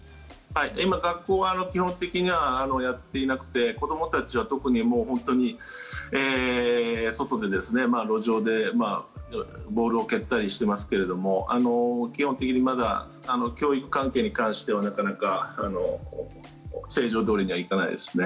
今、学校は基本的にはやっていなくて子どもたちは特に本当に外で路上でボールを蹴ったりしていますが基本的にまだ教育関係に関してはなかなか正常どおりには行かないですね。